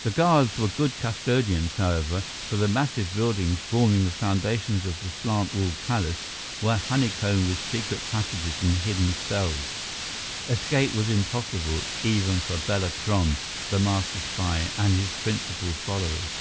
The guards were good custodians, however, for the massive buildings forming the foundations of the slant walled palace were honeycombed with secret passages and hidden cells. Escape was impossible, even for Bela Kron, the master spy, and his principal followers.